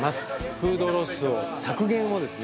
フードロスを削減をですね